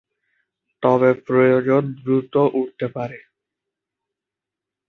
তবে প্রয়োজনে দ্রুত উড়তে পারে।